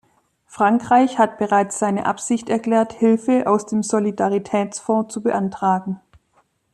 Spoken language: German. Frankreich hat bereits seine Absicht erklärt, Hilfe aus dem Solidaritätsfond zu beantragen.